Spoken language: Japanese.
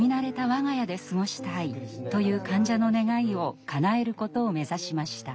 我が家で過ごしたい」という患者の願いをかなえることを目指しました。